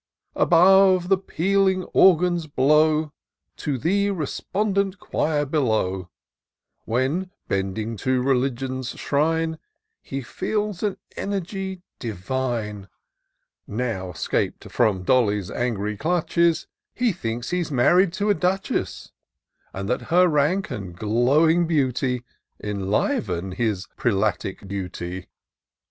Above, the pealing organs blow To the respondent choir below ; When, bending to Religion's shrine, He feels an energy divine. Now, 'scap'd from Dolly's angry clutches, He thinks he's married to a Duchess ; IN SEARCH OF THE PICTURESQUE. 139 And that her rank and glowing beauty Enliven his prelatic duty.